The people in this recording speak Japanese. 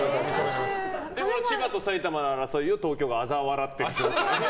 でも千葉と埼玉の争いを東京があざ笑っている。